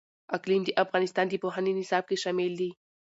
اقلیم د افغانستان د پوهنې نصاب کې شامل دي.